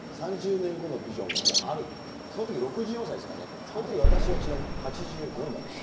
３０年後のビジョンがもうあるという、そのとき６４歳ですからね、そのとき私はちなみに８５になります。